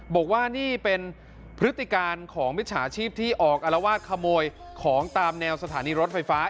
บอกว่านี่เป็นพฤติการของมิจฉาชีพที่ออกอารวาสขโมยของตามแนวสถานีรถไฟฟ้า